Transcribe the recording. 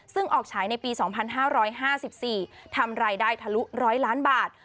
ซึ่งออกฉายในปี๒๕๕๔ทำรายได้ทะลุ๑๐๐ล้านบาท